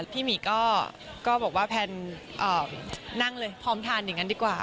หมีก็บอกว่าแพนนั่งเลยพร้อมทานอย่างนั้นดีกว่า